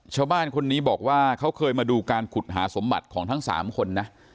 ชาวบ้านคนนี้บอกว่าเขาเคยมาดูการขุดหาสมบัติของทั้ง๓คนนะ